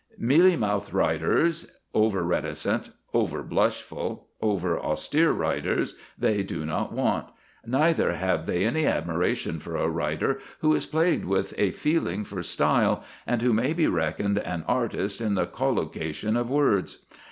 Mealy mouthed writers, over reticent, over blushful, over austere writers, they do not want; neither have they any admiration for a writer who is plagued with a feeling for style, and who may be reckoned an artist in the collocation of words.